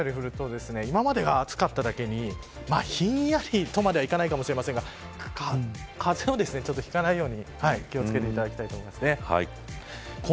もしかすると風が吹いたりすると今までが暑かっただけにひやりとまではいかないかもしれませんが風邪をひかないように気を付けていただきたいと思います。